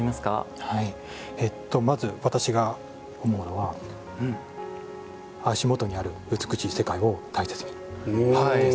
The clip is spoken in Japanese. まず、私が思うのは足元にある美しい世界を大切に。